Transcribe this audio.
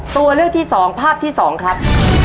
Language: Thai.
ตัวเลือกที่๒ภาพที่๒ครับ